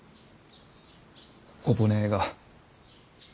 小骨が。